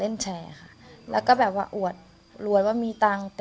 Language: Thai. ใช่ค่ะเล่นแชร์ค่ะแล้วก็แบบว่าอวดรวดว่ามีตังค์